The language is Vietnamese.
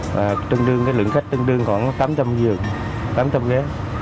và lượng khách tương đương khoảng tám trăm linh giường tám trăm linh vé